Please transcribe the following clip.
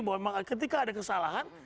bahwa ketika ada kesalahan